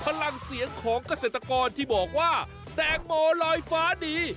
พลังเสียงของเกษตรกรที่บอกว่าแตงโมลอยฟ้าดี